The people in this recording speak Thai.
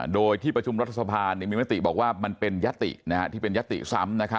โดยที่ประชุมรัฐสภามีมติบอกว่ามันเป็นยติที่เป็นยติซ้ำ